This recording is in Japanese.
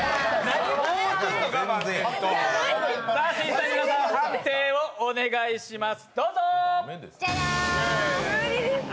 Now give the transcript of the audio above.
さあ皆さん、判定をお願いします。